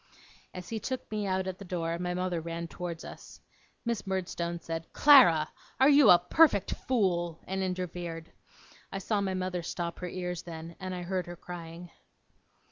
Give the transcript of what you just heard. As he took me out at the door, my mother ran towards us. Miss Murdstone said, 'Clara! are you a perfect fool?' and interfered. I saw my mother stop her ears then, and I heard her crying.